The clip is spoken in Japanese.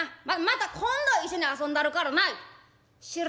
また今度一緒に遊んだるからな」。